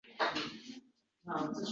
U dollarfurushlar bilan savdolashardi.